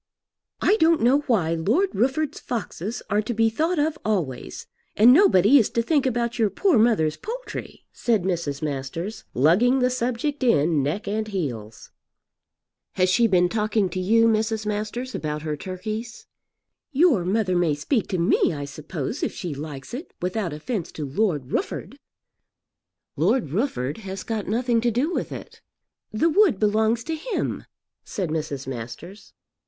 "I don't know why Lord Rufford's foxes are to be thought of always, and nobody is to think about your poor mother's poultry," said Mrs. Masters, lugging the subject in neck and heels. "Has she been talking to you, Mrs. Masters, about her turkeys?" "Your mother may speak to me I suppose if she likes it, without offence to Lord Rufford." "Lord Rufford has got nothing to do with it." "The wood belongs to him," said Mrs. Masters.